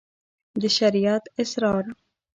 د شريعت اسرار